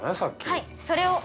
はいそれを。